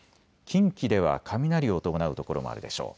近畿では雷を伴う所もあるでしょう。